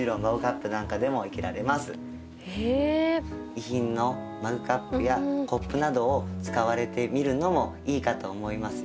遺品のマグカップやコップなどを使われてみるのもいいかと思いますよ。